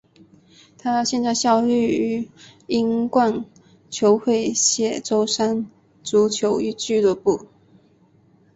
他现在效力于英冠球会谢周三足球俱乐部。